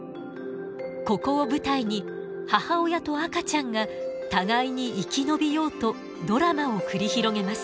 ここを舞台に母親と赤ちゃんが互いに生き延びようとドラマを繰り広げます。